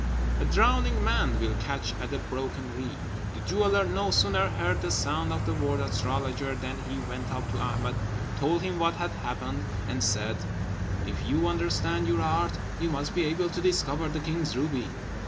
A drowning man will catch at a broken reed: the jeweller no sooner heard the sound of the word astrologer, than he went up to Ahmed, told him what had happened, and said, "If you understand your art, you must be able to discover the king's ruby.